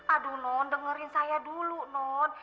aduh non dengerin saya dulu non